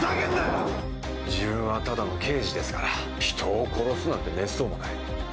自分はただの刑事ですから人を殺すなんてめっそうもない。